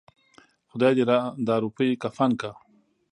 خداى دې دا روپۍ کفن کړه.